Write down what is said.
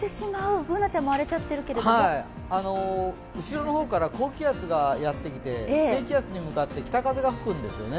Ｂｏｏｎａちゃんも荒れちゃってるけど後ろの方から高気圧がやってきて、低気圧に向かって北風が吹くんですよね。